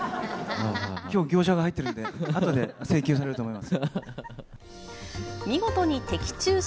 きょう、業者が入ってるんで、後で請求されると思います。